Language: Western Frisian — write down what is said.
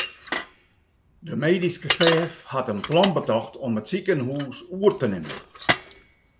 De medyske stêf hat in plan betocht om it sikehûs oer te nimmen.